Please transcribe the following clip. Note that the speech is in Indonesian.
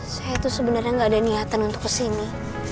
saya tuh sebenernya gak ada niatan untuk kesini